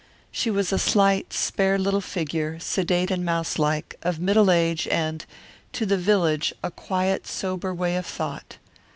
She was a slight, spare little figure, sedate and mouselike, of middle age and, to the village, of a quiet, sober way of thought.